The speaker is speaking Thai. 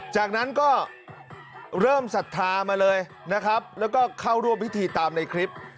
จากนั้นก็เริ่มศรัทธามาเลยนะครับแล้วก็เข้าร่วมพิธีตามในคลิป